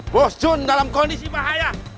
bos jun dalam kondisi bahaya